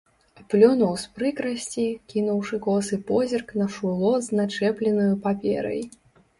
Плюнуў з прыкрасці, кінуўшы косы позірк на шуло з начэпленаю паперай.